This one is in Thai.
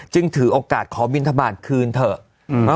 ถือโอกาสขอบินทบาทคืนเถอะ